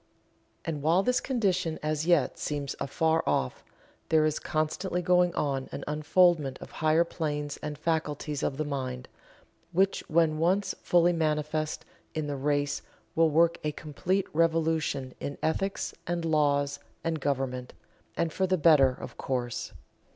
And while this condition as yet seems afar off, there is constantly going on an unfoldment of higher planes and faculties of the mind, which when once fully manifest in the race will work a complete revolution in ethics and laws and government and for the better, of course.